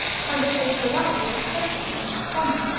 and of Aesculapius especially in Cicogna l.